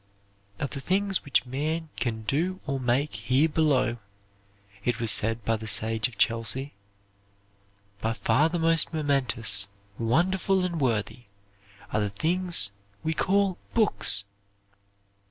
"Of the things which man can do or make here below," it was said by the sage of Chelsea, "by far the most momentous, wonderful, and worthy, are the things we call Books!